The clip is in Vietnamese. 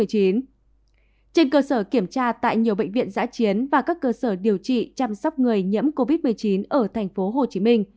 trên cơ sở kiểm tra tại nhiều bệnh viện giã chiến và các cơ sở điều trị chăm sóc người nhiễm covid một mươi chín ở tp hcm